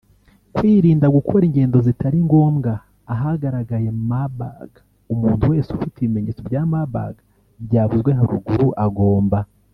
Kwirinda gukora ingendo zitari ngombwa ahagaragaye Marburg; Umuntu wese ufite ibimenyetso bya Marburg byavuzwe haruguru agomba